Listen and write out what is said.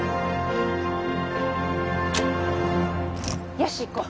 よし行こう